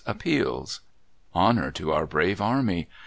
appeals. Honour to our brave Army